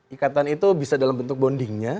ikatan itu bisa dalam bentuk bondingnya